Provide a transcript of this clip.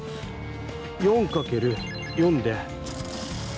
４かける４で。